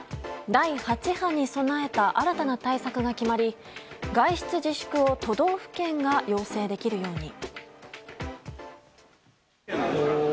第８波に備えた新たな対策が決まり外出自粛を都道府県が要請できるように。